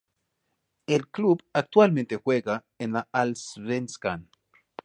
El club actualmente juega en la Allsvenskan.